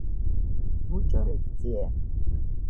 მუჭო რექ წიე